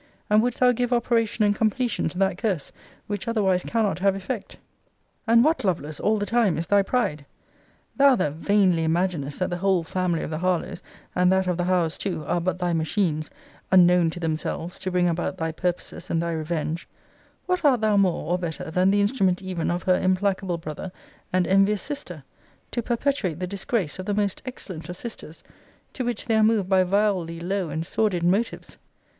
and wouldst thou give operation and completion to that curse, which otherwise cannot have effect? And what, Lovelace, all the time is thy pride? Thou that vainly imaginest that the whole family of the Harlowes, and that of the Howes too, are but thy machines, unknown to themselves, to bring about thy purposes, and thy revenge, what art thou more, or better, than the instrument even of her implacable brother, and envious sister, to perpetuate the disgrace of the most excellent of sisters, to which they are moved by vilely low and sordid motives?